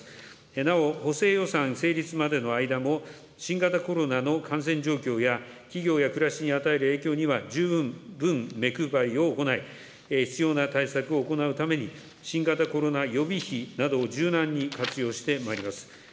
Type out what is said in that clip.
なお補正予算成立までの間も、新型コロナの感染状況や、企業や暮らしに与える影響には十分目配りを行い、必要な対策を行うために、新型コロナ予備費などを柔軟に活用してまいります。